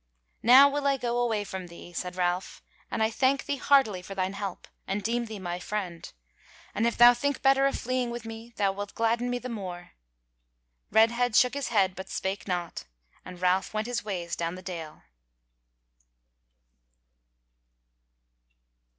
"Now will I go away from thee," said Ralph, "and I thank thee heartily for thine help, and deem thee my friend. And if thou think better of fleeing with me, thou wilt gladden me the more." Redhead shook his head but spake not, and Ralph went his ways down the dale.